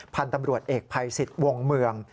พันธุ์ตำรวจเอกภัยสิทธิ์วงเมือง